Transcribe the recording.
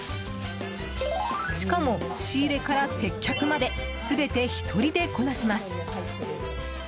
しかも、仕入れから接客まで全て１人でこなします。